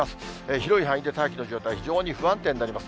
広い範囲で大気の状態、非常に不安定になります。